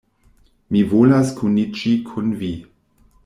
Mi volas kuniĝi kun vi!